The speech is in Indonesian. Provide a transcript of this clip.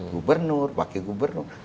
gubernur wakil gubernur